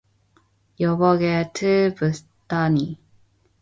여보게 또 붓다니